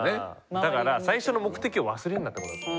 だから最初の目的を忘れるなってことだと思う。